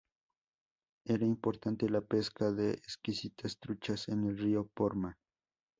Era importante la pesca de exquisitas truchas en el río Porma.